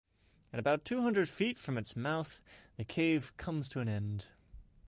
At about two hundred feet from its mouth, the cave comes to an end.